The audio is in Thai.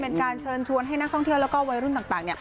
เป็นการเชิญชวนให้นักท่องเที่ยวแล้วก็วัยรุ่นต่าง